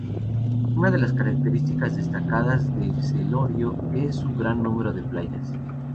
Una de las características destacadas de Celorio es su gran número de playas.